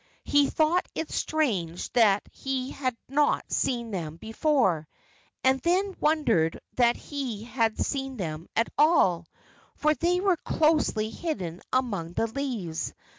He thought it strange that he had not seen them before, and then wondered that he had seen them at all, for they were closely hidden among the leaves.